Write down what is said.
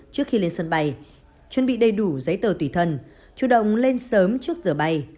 trước khi lên sân bay chuẩn bị đầy đủ giấy tờ tùy thân chủ động lên sớm trước giờ bay